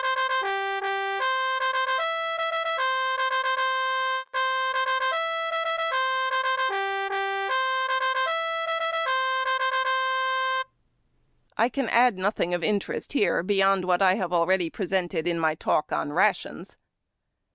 187 I can add nothing of interest here beyond what I have already presented in my talk on rations.